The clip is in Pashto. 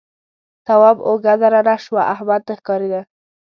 تواب اوږه درنه شوه احمد نه ښکارېده.